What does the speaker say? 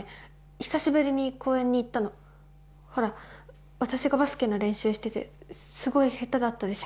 久しぶりに公園に行ったのほら私がバスケの練習しててすごい下手だったでしょ